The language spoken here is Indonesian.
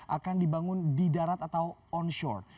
akan dibangun di darat atau onshore